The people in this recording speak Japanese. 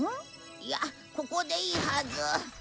いやここでいいはず。